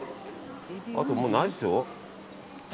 あと、もうないでしょ？